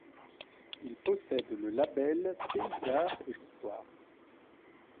Il possède le label Pays d'Art et d'Histoire.